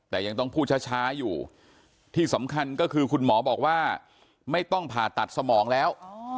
แต่ยังต้องพูดช้าอยู่ที่สำคัญก็คือคุณหมอบอกว่าไม่ต้องผ่าตัดสมองแล้ว